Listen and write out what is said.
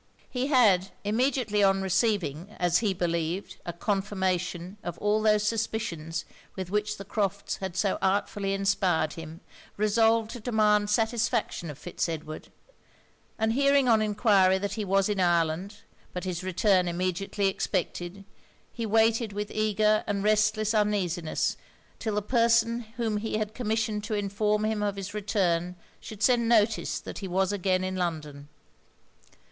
He had, immediately on receiving, as he believed, a confirmation of all those suspicions with which the Crofts' had so artfully inspired him, resolved to demand satisfaction of Fitz Edward; and hearing on enquiry that he was in Ireland, but his return immediately expected, he waited with eager and restless uneasiness till the person whom he had commissioned to inform him of his return should send notice that he was again in London.